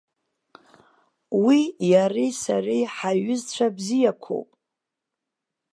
Уи иареи сареи ҳаиҩызцәа бзиақәоуп.